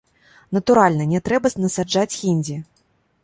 Натуральна, не трэба насаджаць хіндзі.